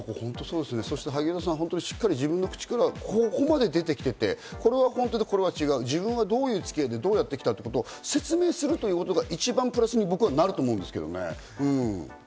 萩生田さん、しっかり自分の口から、ここまで出てきていて、これは本当でこれは違う、自分はどういうつき合いでどうやってきたと説明するということが一番プラスになると、僕は思うんですけどね。